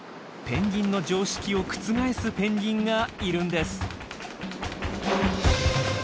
ペンギンの常識を覆すペンギンがいるんです。